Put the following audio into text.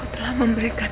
kau telah memberikan